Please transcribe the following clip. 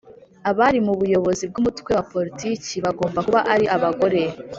abari mu buyobozi bw umutwe wa politiki bagomba kuba ari abagore